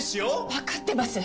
分かってます！